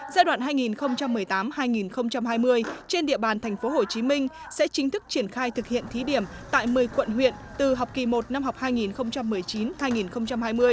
giai đoạn hai nghìn một mươi tám hai nghìn hai mươi trên địa bàn tp hcm sẽ chính thức triển khai thực hiện thí điểm tại một mươi quận huyện từ học kỳ một năm học hai nghìn một mươi chín hai nghìn hai mươi